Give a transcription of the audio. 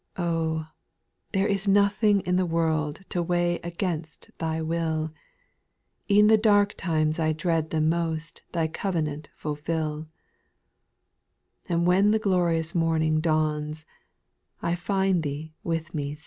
4r. Oh I there is nothing in the world To weigh against Thy will ; E'en the dark times I dread the most Thy covenant fulfil ; And when the glorious morning dawna I find Thee with me still.